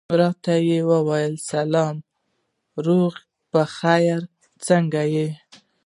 راته یې وویل سلام، روغ په خیر، څنګه یې؟